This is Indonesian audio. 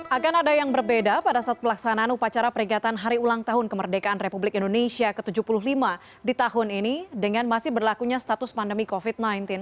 akan ada yang berbeda pada saat pelaksanaan upacara peringatan hari ulang tahun kemerdekaan republik indonesia ke tujuh puluh lima di tahun ini dengan masih berlakunya status pandemi covid sembilan belas